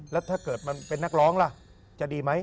แล้วถ้าเกิดมันเป็นนักร้องล่ะจะดีไหม